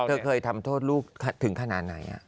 เธอเคยทำโทษลูกถึงขนาดไหน